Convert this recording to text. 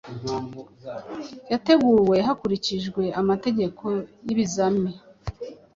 yateguwe hakurikijwe amategeko yibizami